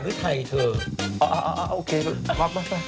เรื่องอะไรผมจะบอกของพี่เถอะ